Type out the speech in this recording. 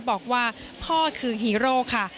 บอกว่าพ่อคือฮีโร่ค่ะ